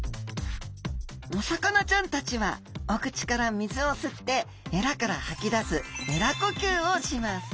お魚ちゃんたちはお口から水を吸ってエラから吐き出すエラ呼吸をします。